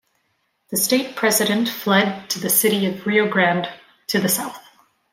The state president fled to the city of Rio Grande, to the south.